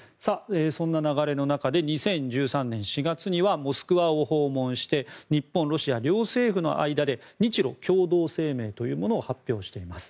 そんな流れの中で２０１３年４月にはモスクワを訪問して日本、ロシア両政府の間で日ロ共同声明というものを発表しています。